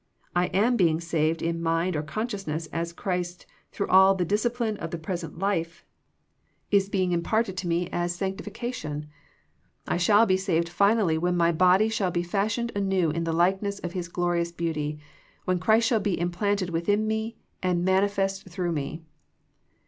I am being saved in mind or consciousness as Christ through all the discipline of the present life is being im 56 THE PEACTIOE OF PEAYEE parted to me as sanctification. I shall be saved finally when my body shall be fashioned anew in the likeness of His glorious beauty, when Christ shall be implanted within me and manifest through me.